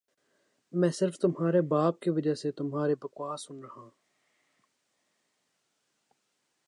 میں صرف تمہارے باپ کی وجہ سے تمہاری بکواس سن ربا